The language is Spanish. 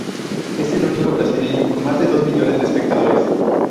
Es el único brasileño con más de dos millones de espectadores.